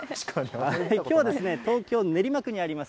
きょうはですね、東京・練馬区にあります